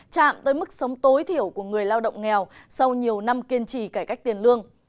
chạm tới mức sống tối thiểu của người lao động nghèo sau nhiều năm kiên trì cải cách tiền lương